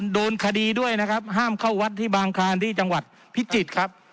โดนคดีด้วยนะครับห้ามเข้าวัดที่บางคลานที่จังหวัดพิจิตรครับ